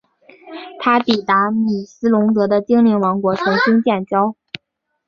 他抵达米斯龙德的精灵王国重新建交。